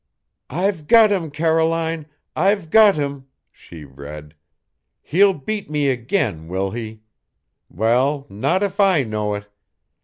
"I've got him, Caroline I've got him!" she read. "He'll beat me again, will he? Well, not if I know it!